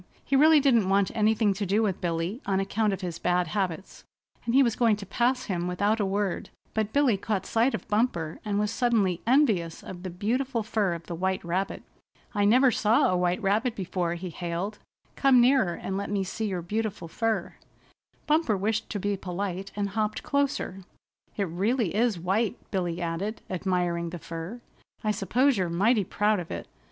He really didn't want anything to do with Billy on account of his bad habits, and he was going to pass him without a word; but Billy caught sight of Bumper, and was suddenly envious of the beautiful fur of the white rabbit. "I never saw a white rabbit before," he hailed. "Come nearer and let me see your beautiful fur." Bumper wished to be polite and hopped closer. "It really is white," Billy added, admiring the fur. "I suppose you're mighty proud of it."